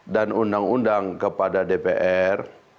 dan undang undang kepada dpr